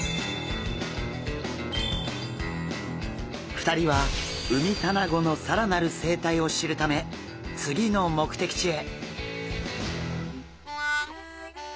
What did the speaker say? ２人はウミタナゴの更なる生態を知るため次の目的地へ。